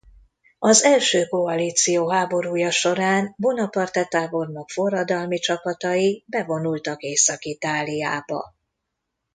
Az első koalíció háborúja során Bonaparte tábornok forradalmi csapatai bevonultak Észak-Itáliába.